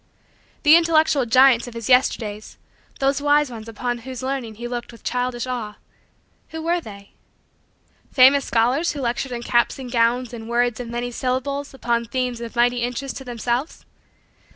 The intellectual giants of his Yesterdays those wise ones upon whose learning he looked with childish awe who were they? Famous scholars who lectured in caps and gowns and words of many syllables upon themes of mighty interest to themselves?